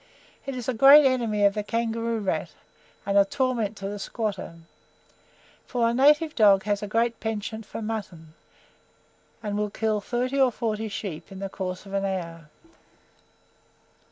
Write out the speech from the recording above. It is a great enemy of the kangaroo rat, and a torment to the squatter, for a native dog has a great PENCHANT for mutton and will kill thirty or forty sheep in the course of an hour.